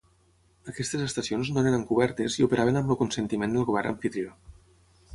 Aquestes estacions no eren encobertes i operaven amb el consentiment del govern amfitrió.